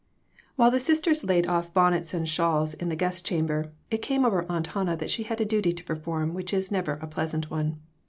WHILE the sisters laid off bonnets and shawls in the guest chamber it came over Aunt Hannah that she had a duty to per form which is never a pleasant one.